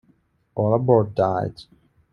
All aboard died.